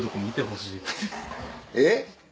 えっ？